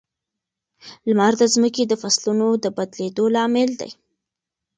لمر د ځمکې د فصلونو د بدلېدو لامل دی.